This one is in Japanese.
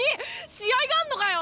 試合があんのかよ！